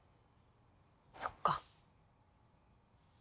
そっか。